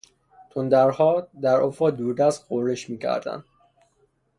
تندرها در افق دوردست غرش میکردند.